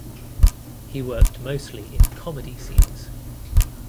He worked mostly in comedy scenes.